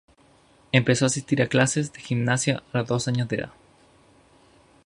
Empezó a asistir a clases de gimnasia a los dos años de edad.